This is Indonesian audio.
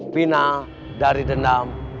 final dari dendam